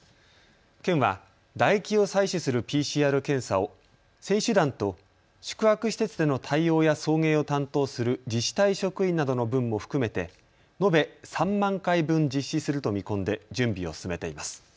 県は、唾液を採取するＰＣＲ検査を選手団と宿泊施設での対応や送迎を担当する自治体職員などの分も含めて延べ３万回分実施すると見込んで準備を進めています。